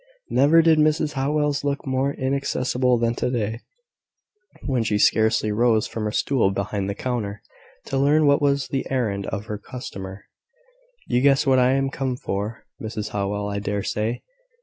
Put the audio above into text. Never did Mrs Howell look more inaccessible than to day, when she scarcely rose from her stool behind the counter, to learn what was the errand of her customer. "You guess what I am come for, Mrs Howell, I dare say.